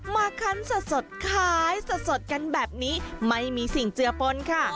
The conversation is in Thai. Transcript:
คันสดขายสดกันแบบนี้ไม่มีสิ่งเจือปนค่ะ